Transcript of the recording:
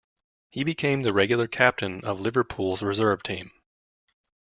He became the regular captain of Liverpool's reserve team.